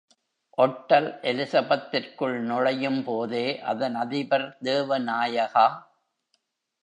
Hotel எலிசபெத்திற்குள் நுழையும்போதே அதன் அதிபர் தேவநாயகா.